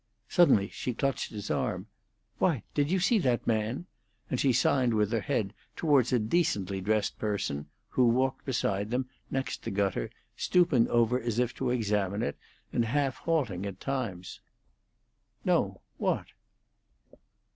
Suddenly she clutched his arm. "Why, did you see that man?" and she signed with her head toward a decently dressed person who walked beside them, next the gutter, stooping over as if to examine it, and half halting at times. "No. What?"